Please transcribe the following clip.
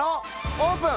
オープン！